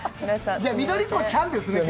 緑子ちゃんですね。